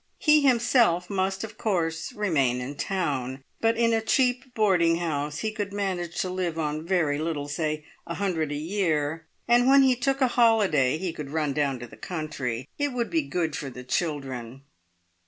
He himself must, of course, remain in town; but in a cheap boarding house he could manage to live on very little say a hundred a year and when he took a holiday he could "run down to the country". It would be good for the children.